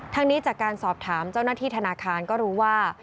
นี้จากการสอบถามเจ้าหน้าที่ธนาคารก็รู้ว่า